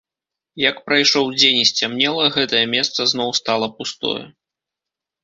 Як прайшоў дзень і сцямнела, гэтае месца зноў стала пустое.